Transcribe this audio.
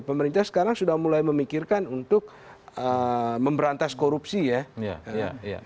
pemerintah sekarang sudah mulai memikirkan untuk memberantas korupsi ya